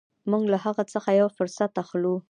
موږ له هغه څخه یو فرصت اخلو.